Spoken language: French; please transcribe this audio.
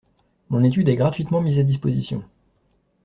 Mon étude est gratuitement mise à disposition.